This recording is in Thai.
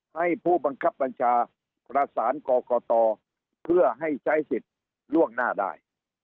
ให้ผู้บังคับบัญชาประสานกรกตเพื่อให้ใช้สิทธิ์ล่วงหน้าได้